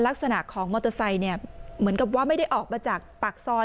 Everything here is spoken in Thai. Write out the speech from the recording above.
ลักษณะของมอเตอร์ไซค์เนี่ยเหมือนกับว่าไม่ได้ออกมาจากปากซอย